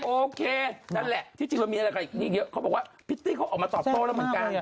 โอเคนั่นแหละที่จริงเรามีอะไรกับอีกนี่เยอะเขาบอกว่าพิตตี้เขาออกมาตอบโต้แล้วเหมือนกัน